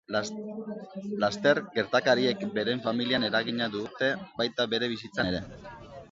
Laster, gertakariek bere familian eragina dute baita bere bizitzan ere.